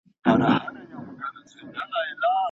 د بریا حق یوازي لایقو کسانو ته نه سي ورکول کېدلای.